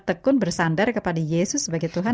tekun bersandar kepada yesus sebagai tuhan